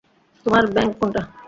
তোমার ব্যাংক কোনটা?